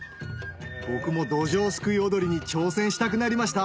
僕もどうじょうすくい踊りに挑戦したくなりました